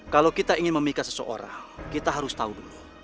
kalau kita ingin memikat seseorang kita harus tahu dulu